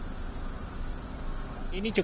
dan diprediksi akan mencapai tiga puluh pengunjung